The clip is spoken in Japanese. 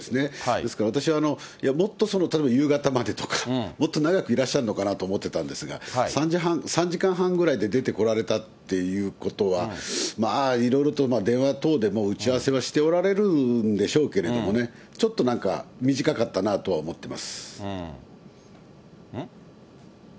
ですから私、もっと夕方までとか、もっと長くいらっしゃるのかと思ってたんですが、３時間半ぐらいで出てこられたっていうことは、まあいろいろと電話等でも打ち合わせはしておられるんでしょうけれどもね、ちょっとなんか短かったなとは思ってます。